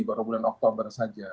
baru bulan oktober